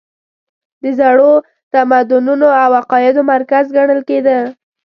د زړو تمدنونو او عقایدو مرکز ګڼل کېده.